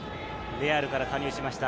レアルから加入しました。